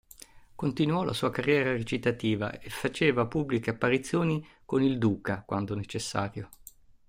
Continuò la sua carriera recitativa, e faceva pubbliche apparizioni con il Duca quando necessario.